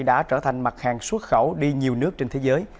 đã trở thành mặt hàng xuất khẩu đi nhiều nước trên thế giới